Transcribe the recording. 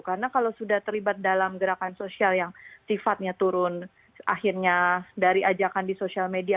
karena kalau sudah terlibat dalam gerakan sosial yang sifatnya turun akhirnya dari ajakan di sosial media